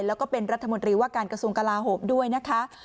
แล้วก็เป็นรัฐมนตรีว่าการกระทรวงกลาโหมด้วยนะคะ